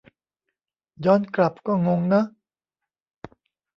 ย้อนกลับ ก็งงเนอะ.